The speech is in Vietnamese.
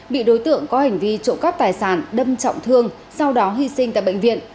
bị đối tượng có hành vi trộm cắp tài sản đâm trọng thương sau đó hy sinh tại bệnh viện